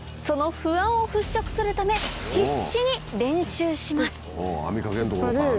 その不安を払拭するため必死に練習します引っ張る。